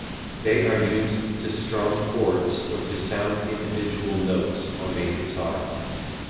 They are used to strum chords or to sound individual notes on a guitar.